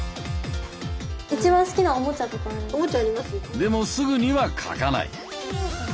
でもすぐには描かない。